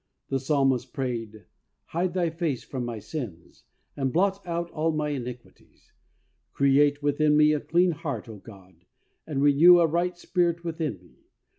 The Psalmist prayed, "Hide Thy face from my sins, and blot out all my iniquities. Create within me a clean heart, O God, and renew a right spirit within me.